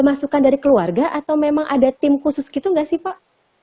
masukan dari keluarga atau memang ada tim khusus gitu nggak sih pak